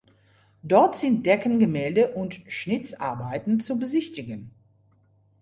Dort sind Deckengemälde und Schnitzarbeiten zu besichtigen.